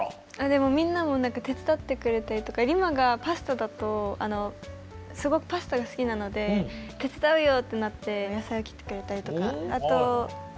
でもみんなも手伝ってくれたりとかＲＩＭＡがパスタだとすごくパスタが好きなので手伝うよってなって野菜を切ってくれたりとかあと。